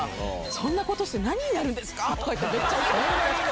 そんなことして何になるんですかとかって、めっちゃ。